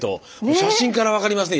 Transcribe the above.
写真から分かりますね